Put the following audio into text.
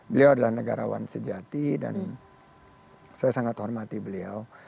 beliau adalah negarawan sejati dan saya sangat hormati beliau